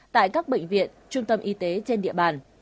tại các bệnh viện trung tâm y tế trên địa bàn